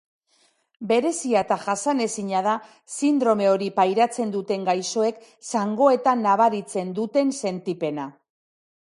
Berezia eta jasanezina da sindrome hori pairatzen duten gaixoek zangoetan nabaritzen duten sentipena.